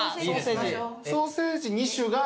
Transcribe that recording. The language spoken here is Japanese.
ソーセージ２種が。